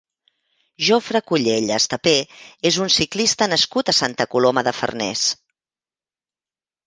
Jofre Cullell Estapé és un ciclista nascut a Santa Coloma de Farners.